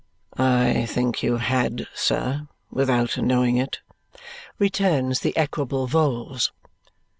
"I think you had, sir, without knowing it," returns the equable Vholes.